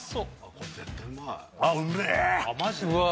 これ絶対うまいうわ